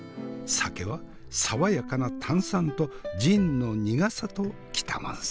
酒は爽やかな炭酸とジンの苦さと来たもんさ。